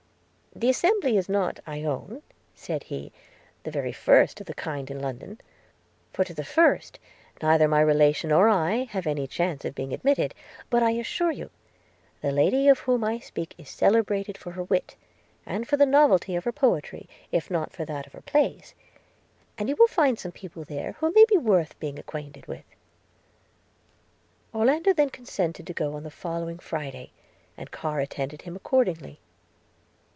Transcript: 'The assembly is not, I own,' said he, 'the very first of the kind in London; for, to the first, neither my relation or I have any chance of being admitted; but, I assure you, the lady of whom I speak, is celebrated for her wit, and for the novelty of her poetry, if not for that of her plays; and you will find some people there, who may be worth being acquainted with.' Orlando then consented to go on the following Friday, and Carr attended him accordingly.